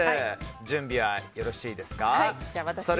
準備はよろしいですか。